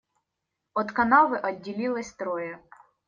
От канавы отделилось трое.